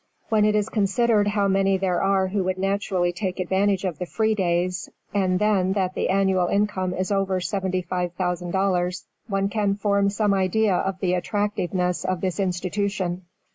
When it is considered how many there are who would naturally take advantage of the free days, and then that the annual income is over $75,000, one can form some idea of the attractiveness of this institution.